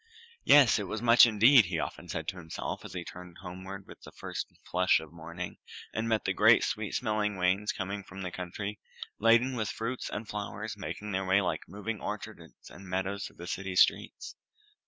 Yes! it was much indeed, he often said to himself, as he turned homeward with the first flush of morning, and met the great sweet smelling wains coming from the country, laden with fruits and flowers, and making their way like moving orchards and meadows through the city streets.